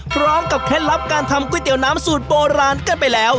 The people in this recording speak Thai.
เคล็ดลับการทำก๋วยเตี๋ยวน้ำสูตรโบราณกันไปแล้ว